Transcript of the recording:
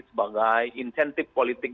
sebagai insentif politik